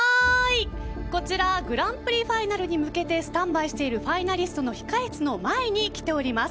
こちらグランプリファイナルに向けてスタンバイしているファイナリストの控室の前に来ております。